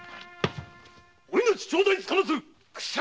お命頂戴つかまつる！